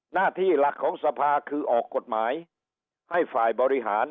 หน้าที่หลักของสภาคือออกกฎหมายให้ฝ่ายบริหาร